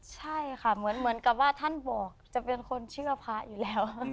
ใช่ค่ะเหมือนกับว่าท่านบอกจะเป็นคนเชื่อพระอยู่แล้ว